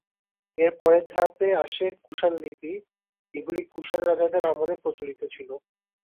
এর পরের ধাপে আসে কুষাণ লিপি; এগুলি কুষাণ রাজাদের আমলে প্রচলিত ছিল।